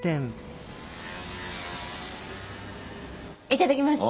いただきます。